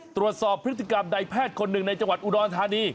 ตรวจสอบพฤติกรรมในแพทย์คนหนึ่งในจังหวัดอุดรธานี